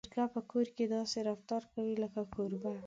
چرګه په کور کې داسې رفتار کوي لکه کوربه.